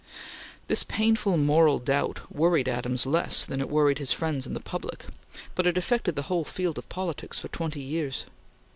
This painful moral doubt worried Adams less than it worried his friends and the public, but it affected the whole field of politics for twenty years.